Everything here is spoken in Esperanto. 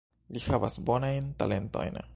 Li havas bonajn talentojn.